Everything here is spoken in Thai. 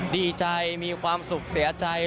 ดีใจมีความสุขเสียใจ